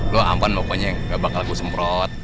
lo ampan pokoknya gak bakal gue semprot